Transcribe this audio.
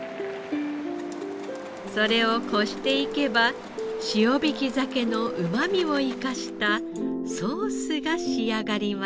それをこしていけば塩引き鮭のうまみを生かしたソースが仕上がりました。